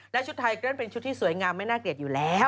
และชุดไทยก็เป็นชุดที่สวยงามไม่น่าเกลียดอยู่แล้ว